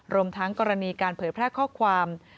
รวมทั้งกรณีการเผยแพร่ข้อความ